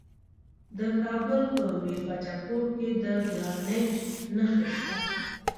د کابل په میربچه کوټ کې د ګرانیټ نښې شته.